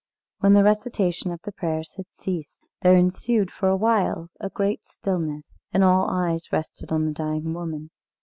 When the recitation of the prayers ceased, there ensued for a while a great stillness, and all eyes rested on the dying woman.